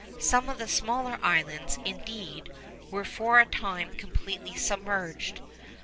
Some of the smaller islands, indeed, were for a time completely submerged.